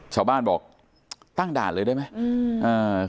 ชาวบ้านบอกตั้งด่านเลยได้ไหมอืมอ่า